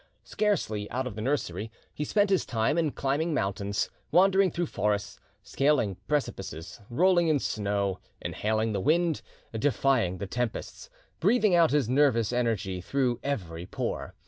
Scarcely out of the nursery, he spent his time in climbing mountains, wandering through forests, scaling precipices, rolling in snow, inhaling the wind, defying the tempests, breathing out his nervous energy through every pore.